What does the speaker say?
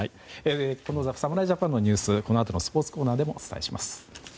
侍ジャパンのニュースはスポーツコーナーでもお伝えします。